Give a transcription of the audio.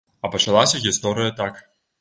А пачалася гісторыя так.